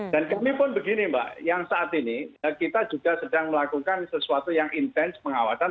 dan kami pun begini mbak yang saat ini kita juga sedang melakukan sesuatu yang intens pengawasan